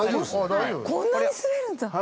こんなに滑るんだ。